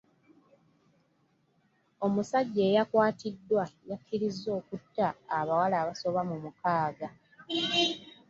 Omusajja eyakwatiddwa yakkirizza okutta abawala abasoba mu mukaaga.